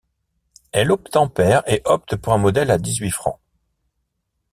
Elle obtempère et opte pour un modèle à dix-huit francs.